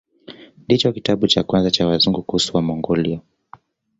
Ndicho kitabu cha kwanza cha Wazungu kuhusu Wamongolia.